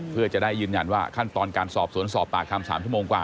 เพื่อจะได้ยืนยันว่าขั้นตอนการสอบสวนสอบปากคำ๓ชั่วโมงกว่า